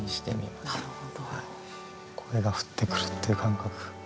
「声が降ってくる」っていう感覚。